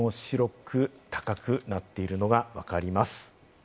波も白く高くなっているのがわかります。